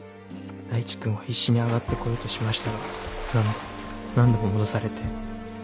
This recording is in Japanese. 大地君は必死に上がって来ようとしましたが何度も何度も戻されて。